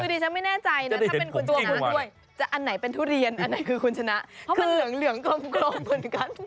คือดิฉันไม่แน่ใจนะถ้าเป็นคนตัวงูด้วยจะอันไหนเป็นทุเรียนอันไหนคือคุณชนะเพราะมันเหลืองกลมเหมือนกัน